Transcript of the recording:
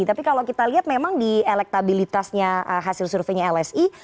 tapi kalau kita lihat memang di elektabilitasnya hasil surveinya lsi